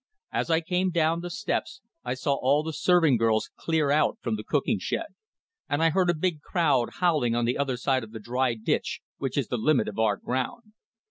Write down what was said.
As I came down the steps I saw all the serving girls clear out from the cooking shed, and I heard a big crowd howling on the other side of the dry ditch which is the limit of our ground.